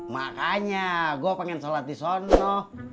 makanya gue pengen sholat di sana